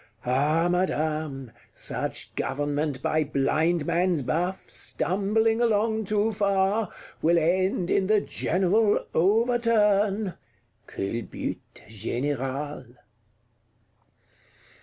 —Ah Madame, such Government by Blindman's buff, stumbling along too far, will end in the General Overturn (culbute générale)."